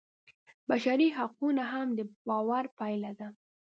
بشري حقونه هم د باور پایله ده.